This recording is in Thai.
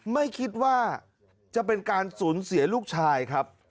ไม่คิดว่าจะเป็นการสูญเสียลูกชายครับ